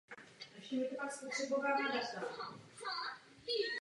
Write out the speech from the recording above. Na začátku velké vlastenecké války byl jmenován předsedou komise pro vojenskou techniku.